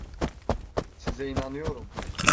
Size inanıyorum.